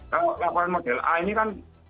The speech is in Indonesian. kalau laporan model a ini kan